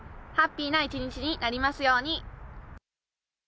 ハッピーな一日になりますように。